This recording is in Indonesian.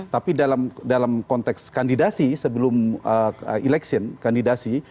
tapi dalam konteks kandidasi sebelum election kandidasi